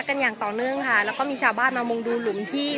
อย่างต่อเนื่องค่ะแล้วก็มีชาวบ้านมามุงดูหลุมที่